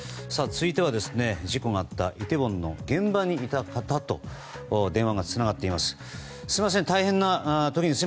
続いては、事故があったイテウォンの現場にいた方と電話がつながっています。